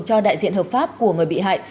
cho đại diện hợp pháp của người bị hại